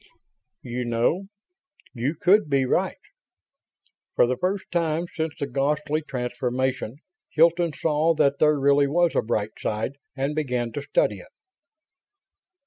"You know ... you could be right?" For the first time since the "ghastly" transformation Hilton saw that there really was a bright side and began to study it.